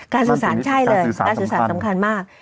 สื่อสารใช่เลยการสื่อสารสำคัญมาก